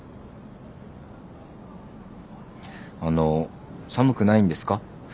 あの寒くないんですか？